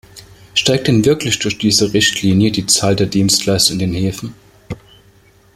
Steigt denn wirklich durch diese Richtlinie die Zahl der Dienstleister in den Häfen?